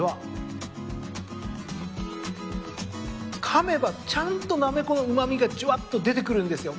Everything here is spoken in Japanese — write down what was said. かめばちゃんとなめこのうま味がじゅわっと出てくるんですよ。